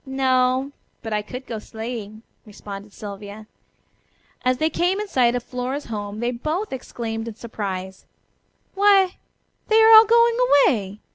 "No, but I could go sleighing," responded Sylvia. As they came in sight of Flora's home they both exclaimed in surprise: "Why, they are all going away!